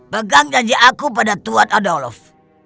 pegang janji aku pada tuhan adolof